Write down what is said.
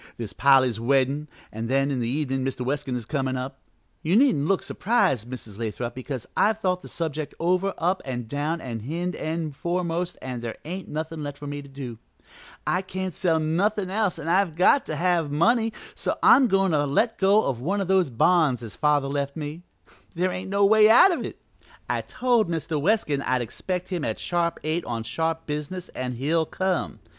There's Polly's weddin' an' then in the evenin' Mr. Weskin is comin' up. You needn't look surprised, Mrs. Lathrop, because I've thought the subject over up an' down an' hind end foremost an' there ain't nothin' left for me to do. I can't sell nothin' else an' I've got to have money, so I'm goin' to let go of one of those bonds as father left me. There ain't no way out of it; I told Mr. Weskin I'd expect him at sharp eight on sharp business an' he'll come.